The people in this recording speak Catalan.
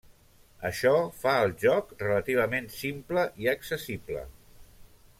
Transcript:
Això fa el joc relativament simple i accessible.